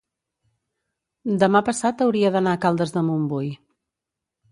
demà passat hauria d'anar a Caldes de Montbui.